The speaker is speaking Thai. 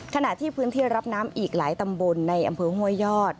ขณะที่พื้นที่รับน้ำอีกหลายตำบลในอำเภอห้วยยอด